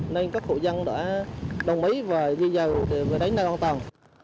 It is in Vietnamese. nên các hội dân đã đồng ý và dư dầu để đánh ra con tàu